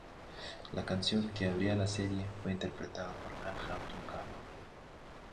La canción que abría la serie fue interpretada por Ann Hampton Callaway.